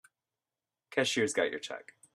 Cashier's got your check.